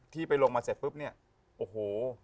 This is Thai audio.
ที่ไปลงมาเสร็จปุ๊บเนี่ยโอ้โห